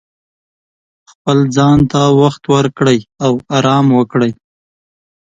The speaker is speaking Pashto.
خپل ځان ته وخت ورکړئ او ارام وکړئ.